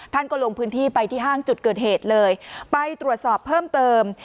ท่านก็ลงพื้นที่ไปที่ห้างจุดเกิดเหตุเลยไปตรวจสอบเพิ่มเติม